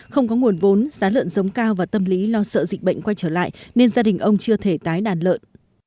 không có nguồn vốn giá lợn giống cao và tâm lý lo sợ dịch bệnh quay trở lại nên gia đình ông chưa thể tái đàn lợn